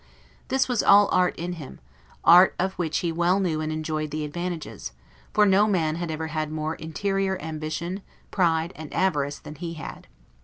This was all art in him; art of which he well knew and enjoyed the advantages; for no man ever had more interior ambition, pride, and avarice, than he had.